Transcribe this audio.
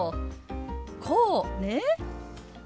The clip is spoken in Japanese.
こうね？